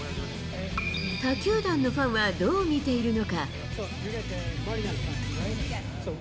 他球団のファンはどう見ているのか。